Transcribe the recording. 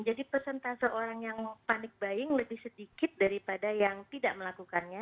jadi persentase orang yang panik buying lebih sedikit daripada yang tidak melakukannya